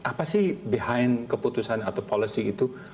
apa sih behind keputusan atau policy itu